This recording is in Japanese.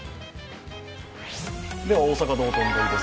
では大阪・道頓堀です。